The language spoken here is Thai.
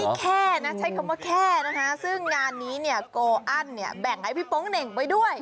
แค่นะใช้คำว่าแค่นะคะซึ่งงานนี้เนี่ยโกอันเนี่ยแบ่งให้พี่โป๊งเหน่งไปด้วย